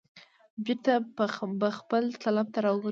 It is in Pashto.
بیرته به خپل طلب ته را وګرځم.